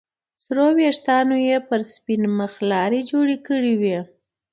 سرو ويښتانو يې پر سپين مخ لارې جوړې کړې وې.